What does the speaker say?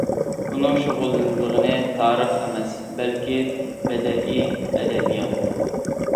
ئۇنىڭ شۇغۇللىنىدىغىنى تارىخ ئەمەس، بەلكى بەدىئىي ئەدەبىيات.